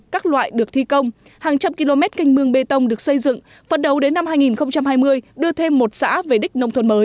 các loại được thi công hàng trăm km canh mương bê tông được xây dựng phần đầu đến năm hai nghìn hai mươi đưa thêm một xã về đích nông thôn mới